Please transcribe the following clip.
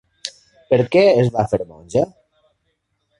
Per què es va fer monja?